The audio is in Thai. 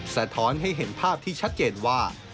สะท้อนให้เห็นภาพที่ชัดเจนว่า